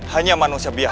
hanya manusia biasa